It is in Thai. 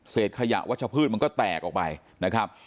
ขยะวัชพืชมันก็แตกออกไปนะครับ